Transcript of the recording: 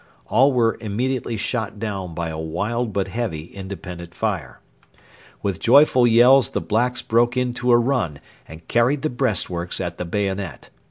All were immediately shot down by a wild but heavy independent fire. With joyful yells the blacks broke into a run and carried the breastworks at the bayonet.